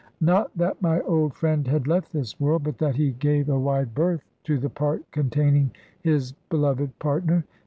Not that my old friend had left this world, but that he gave a wide berth to the part containing his beloved partner.